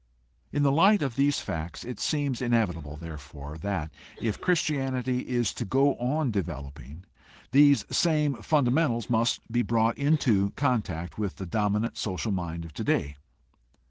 In the light of these facts it seems inevitable, therefore, that, if Christianity is to go on developing, these same funda mentals must be brought into contact with the dominant social mind of today.